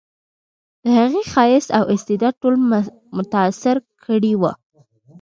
د هغې ښایست او استعداد ټول متاثر کړي وو